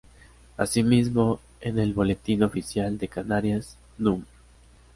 Asimismo, en el Boletín Oficial de Canarias núm.